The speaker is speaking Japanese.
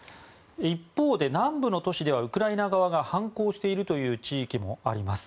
一方で、南部の都市ではウクライナ側が反抗しているという地域もあります。